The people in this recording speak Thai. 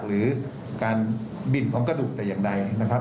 หรือการบิดของกระดูกแต่อย่างใดนะครับ